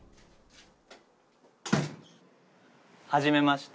はじめまして。